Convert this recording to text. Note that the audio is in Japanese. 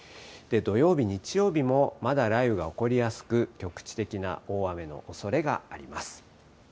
土曜日、日曜日もまだ雷雨が起こりやすく、局地的な大雨のおそれがあります。